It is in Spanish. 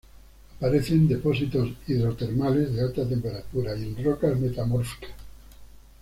Aparece en depósitos hidrotermales de alta temperatura, y en rocas metamórficas.